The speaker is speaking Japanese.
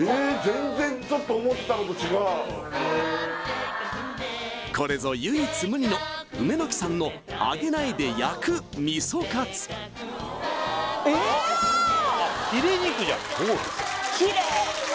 全然ちょっと思ってたのと違うこれぞ唯一無二の梅の木さんの揚げないで焼くみそかつそうなんすよ